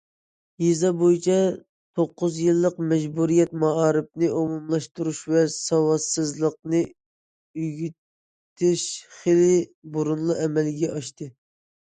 يېزا بويىچە توققۇز يىللىق مەجبۇرىيەت مائارىپىنى ئومۇملاشتۇرۇش ۋە ساۋاتسىزلىقنى تۈگىتىش خېلى بۇرۇنلا ئەمەلگە ئاشتى.